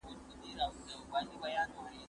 زه پرون د سبا لپاره د يادښتونه بشپړوم!!